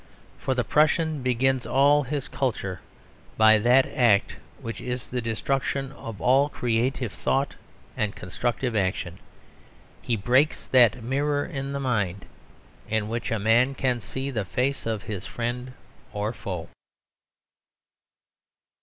For the Prussian begins all his culture by that act which is the destruction of all creative thought and constructive action. He breaks that mirror in the mind, in which a man can see the face of his friend or foe.